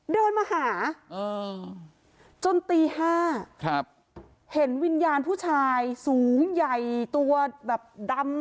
เดินมาหาจนตี๕ครับเห็นวิญญาณผู้ชายสูงใหญ่ตัวแบบดำ